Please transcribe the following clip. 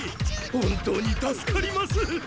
本当に助かります。